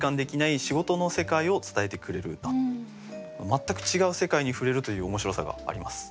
全く違う世界に触れるという面白さがあります。